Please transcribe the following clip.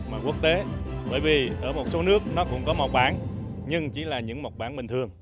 thế giới bởi vì ở một số nước nó cũng có mộc bản nhưng chỉ là những mộc bản bình thường